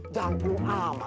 jangan perlu amat